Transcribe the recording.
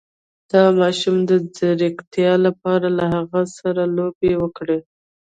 د ماشوم د ځیرکتیا لپاره له هغه سره لوبې وکړئ